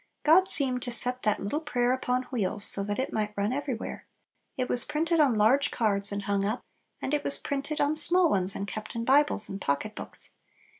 God seemed to set that little prayer "upon wheels," so that it might run everywhere. It was printed on large cards and hung up, and it was printed on small ones and kept in Bibles and pocket books.